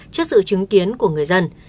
trước sự chứng kiến của người dân